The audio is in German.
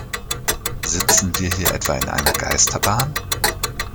Sitzen wir hier etwa in einer Geisterbahn?